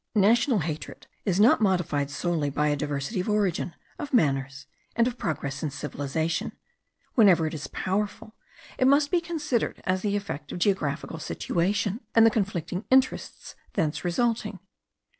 National hatred is not modified solely by a diversity of origin, of manners, and of progress in civilization; whenever it is powerful, it must be considered as the effect of geographical situation, and the conflicting interests thence resulting.